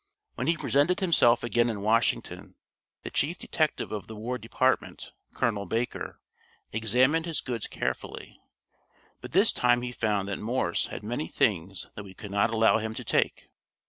When he presented himself again in Washington, the chief detective of the War Department, Colonel Baker, examined his goods carefully, but this time he found that Morse had many things that we could not allow him to take.